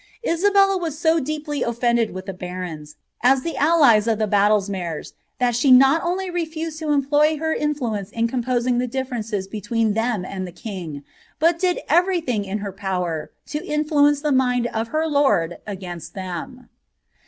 * Isabella was so deeply offended with the barons, as the allies of the •dlesmeres, that she not only refused to employ her influence in com oaing the diflerenees between them and the king, but did ererything in er power to influence the mind of her lord against them.'